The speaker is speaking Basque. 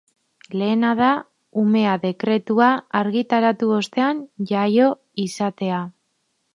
Lehena da umea dekretua argitaratu ostean jaio izatea.